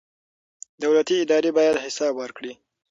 دولتي ادارې باید حساب ورکړي.